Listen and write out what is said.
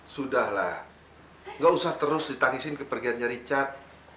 sudahlah gak usah terus ditangisin kepergiannya richard